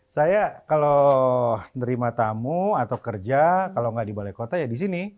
saya kalau nerima tamu atau kerja kalau nggak di balai kota ya di sini